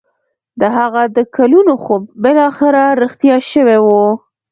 د هغه د کلونو خوب بالاخره رښتيا شوی و.